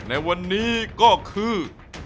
ในวันนี้ก็คือ